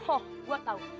oh gue tahu